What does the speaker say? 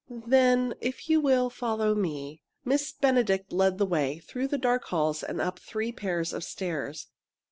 "Then, if you will follow me " Miss Benedict led the way, through the dark halls and up three pairs of stairs.